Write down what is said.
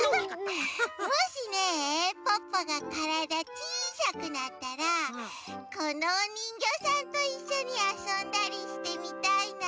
もしねポッポがからだちいさくなったらこのおにんぎょうさんといっしょにあそんだりしてみたいな。